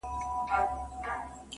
ته يې بد ايسې.